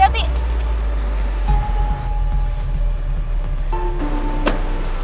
aduh ri ri ri